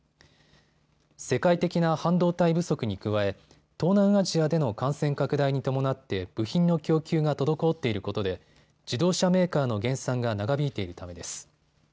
世界的な半導体不足に加え、東南アジアでの感染拡大に伴って部品の供給が滞っていることで自動車メーカーの減産が長引いているためです。